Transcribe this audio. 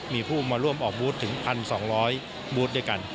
มีผู้มาร่วมออกบูธถึง๑๒๐๐บูธด้วยกัน